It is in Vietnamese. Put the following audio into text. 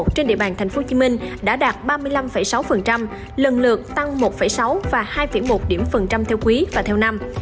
trên địa bàn tp hcm đã đạt ba mươi năm sáu lần lượt tăng một sáu và hai một điểm phần trăm theo quý và theo năm